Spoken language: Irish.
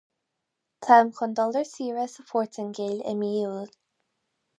Táim chun dul ar saoire sa Phortaingéil i mí Iúil